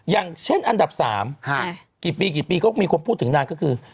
อย่างเช่นอันดับ๓กี่ปีกี่ปีก็มีคนพูดถึงนานก็คือ